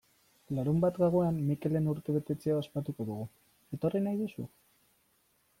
Larunbat gauean Mikelen urtebetetzea ospatuko dugu, etorri nahi duzu?